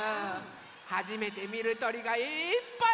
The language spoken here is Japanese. はじめてみるとりがいっぱい！